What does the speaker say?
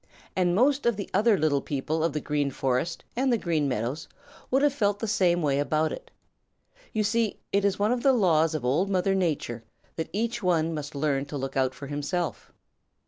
And most of the other little people of the Green Forest and the Green Meadows would have felt the same way about it. You see, it is one of the laws of Old Mother Nature that each one must learn to look out for himself.